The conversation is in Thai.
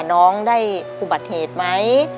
น้องได้อุบัติเหตุไหม